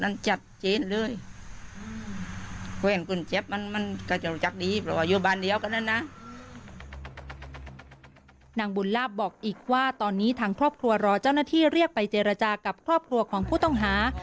นางบุญลาบบอกอีกว่าตอนนี้ทางครอบครัวรอเจ้าหน้าที่เรียกไปเจรจากับครอบครัวของผู้ต้องหา